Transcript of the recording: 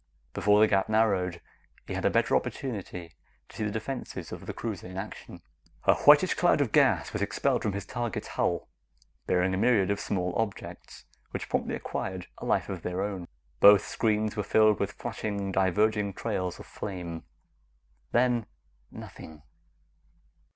Before the gap narrowed, he had a better opportunity to see the defenses of the cruiser in action. A whitish cloud of gas was expelled from his target's hull, bearing a myriad of small objects which promptly acquired a life of their own. Both screens were filled with flashing, diverging trails of flame. Then nothing.